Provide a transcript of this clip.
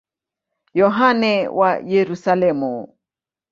Yohane wa Yerusalemu.